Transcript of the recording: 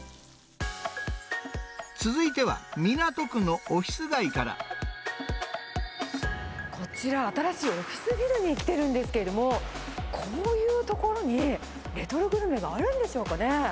続いては、こちら、新しいオフィスビルに来てるんですけれども、こういう所にレトログルメがあるんでしょうかね。